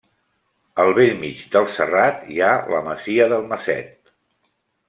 Al bell mig del serrat hi ha la masia del Maset.